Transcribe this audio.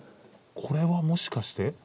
これはもしかして？